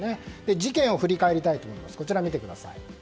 事件を振り返りたいと思います。